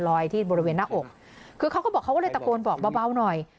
ที่บริเวณหน้าอกคือเขาก็บอกเขาก็เลยตะโกนบอกเบาหน่อย